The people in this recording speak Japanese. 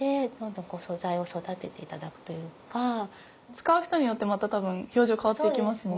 使う人によってまた多分表情変わって行きますもんね。